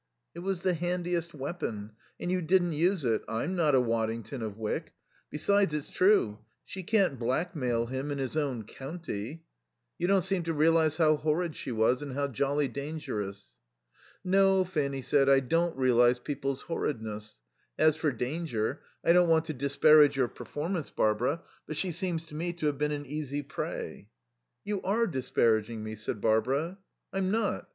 "It was the handiest weapon. And you didn't use it. I'm not a Waddington of Wyck. Besides, it's true; she can't blackmail him in his own county. You don't seem to realize how horrid she was, and how jolly dangerous." "No," Fanny said, "I don't realize people's horridness. As for danger, I don't want to disparage your performance, Barbara, but she seems to me to have been an easy prey." "You are disparaging me," said Barbara. "I'm not.